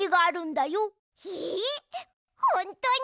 ほんとに？